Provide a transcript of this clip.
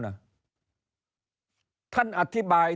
ท่านอธิบาย